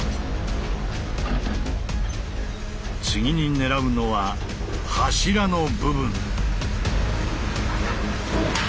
次に狙うのは柱の部分。